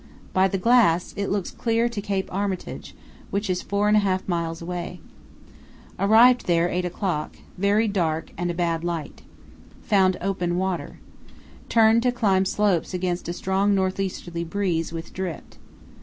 By the glass it looked clear right to Cape Armitage, which is four and a half miles away. Arrived there 8 o'clock, very dark and bad light. Found open water. Turned to climb slopes against a strong north easterly breeze with drift.